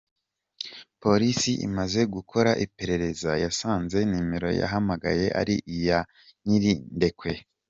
Polisi imaze gukora iperereza, yasanze nimero yahamagaye ari iya Nyirindekwe.